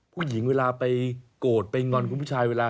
ผู้หญิงเวลาไปโกรธไปงอนคุณผู้ชายเวลา